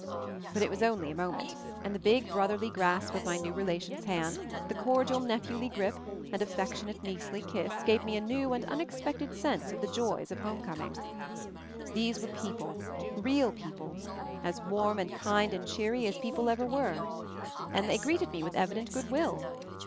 But it was only a moment, and the big brotherly grasp of my new relation's hand, the cordial nephewly grip, and affectionate niecely kiss gave me a new and unexpected sense of the joys of homecoming. These were people, real people, as warm and kind and cheery as people ever were; and they greeted me with evident good will.